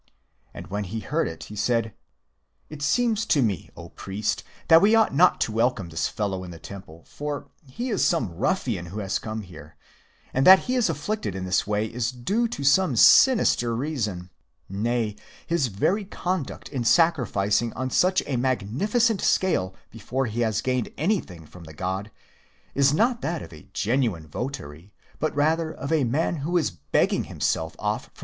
And when he heard it, he said: "It _ seems to me, O Priest, that we ought not to welcome _ this fellow in the Temple: for he is some ruffian who _ has come here, and that he is afflicted in this way is _ due to some sinister reason : nay, his very conduct in sacrificing on such a magnificent scale before he has _ gained anything from the god is not that of a genuine _ votary, but rather of a man who is begging himself off from.